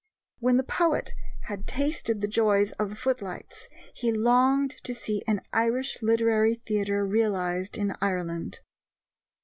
When the poet had tasted the joys of the footlights, he longed to see an Irish Literary Theatre realized in Ireland.